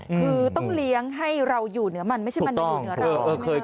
คือต้องเลี้ยงให้เราอยู่เหนือมันไม่ใช่มันอยู่เหนือเรา